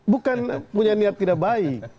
bukan punya niat tidak baik